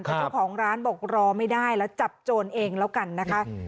แต่เจ้าของร้านบอกรอไม่ได้แล้วจับโจรเองแล้วกันนะคะ